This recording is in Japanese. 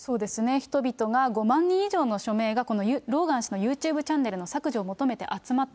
人々が５万人以上の署名が、このローガン氏のユーチューブチャンネルの削除を求めて集まった